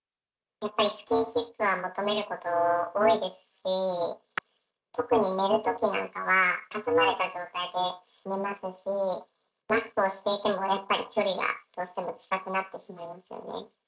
やっぱりスキンシップを求めること、多いですし、特に寝るときなんかは、挟まれた状態で寝ますし、マスクをしていても、やっぱり距離が、どうしても近くなってしまいますよね。